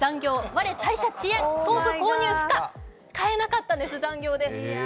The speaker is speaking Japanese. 我退社遅延、豆腐購入不可、買えなかったんです残業で。